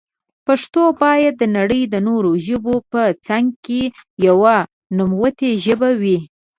پښتو بايد دنړی د نورو ژبو په څنګ کي يوه نوموتي ژبي وي.